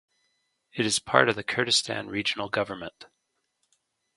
It is part of the Kurdistan Regional Government.